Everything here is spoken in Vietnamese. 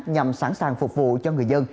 nhằm sẵn sàng phục vụ cho người dân